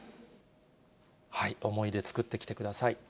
思い出作ってきてください。